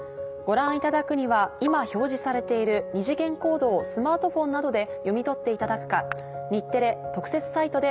ご覧いただくには今表示されている二次元コードをスマートフォンなどで読み取っていただくか。